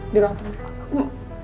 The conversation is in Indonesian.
di ruang tempat